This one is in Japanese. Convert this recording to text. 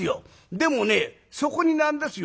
でもねそこに何ですよ